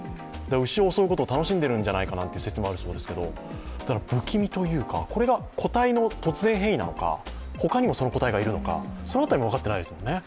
牛を襲うことを楽しんでるんじゃないかという説もあるそうですが不気味というか、これが固体の突然変異なのか、ほかにもその個体がいるのか、その辺りも分かってないですよね。